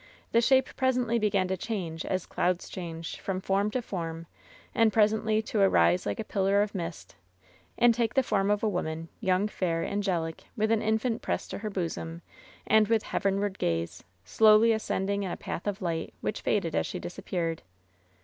The shape presently began to change as clouds change, from form to form, and presently to arise like a pillar of mist, and take the form of a woman, young, fair, angelic, with an infant pressed to her bosom, and with heavenward gaz«, slowly ascending in a path of light, which faded as she disappeared.